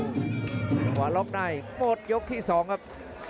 หลังวันรอบในหมดยกที่๒ครับ